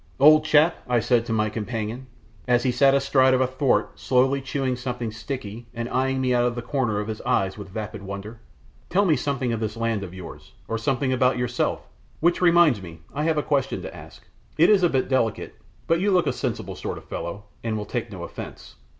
"Old chap!" I said to my companion, as he sat astride of a thwart slowly chewing something sticky and eyeing me out of the corner of his eyes with vapid wonder, "tell me something of this land of yours, or something about yourself which reminds me I have a question to ask. It is a bit delicate, but you look a sensible sort of fellow, and will take no offence.